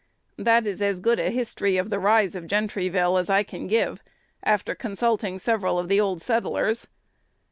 "This is as good a history of the rise of Gentryville as I can give, after consulting several of the old settlers.